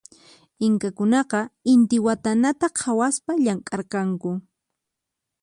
Inkakunaqa intiwatanata khawaspa llamk'arqanku.